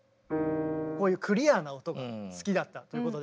こういうクリアな音が好きだったっていうことで。